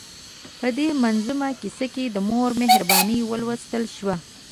په دې منظومه کیسه کې د مور مهرباني ولوستل شوه.